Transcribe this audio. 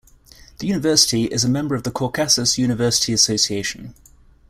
The university is a member of the Caucasus University Association.